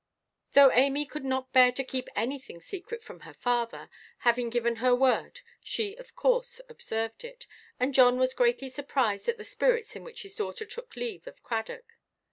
Though Amy could not bear to keep anything secret from her father, having given her word she of course observed it, and John was greatly surprised at the spirits in which his daughter took leave of Cradock.